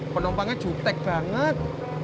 penumpangnya jutek banget